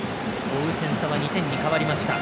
追う点差は２点に変わりました。